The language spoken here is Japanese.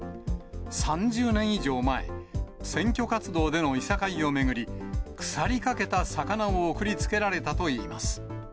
３０年以上前、選挙活動でのいさかいを巡り、腐りかけた魚を送りつけられたといいます。